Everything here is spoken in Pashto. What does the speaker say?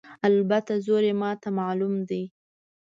البته زور یې ماته معلوم دی.